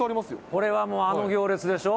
これはもう、あの行列でしょ。